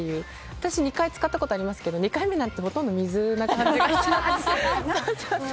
私２回使ったことありますけど２回目なんてほとんど水な感じがしちゃって。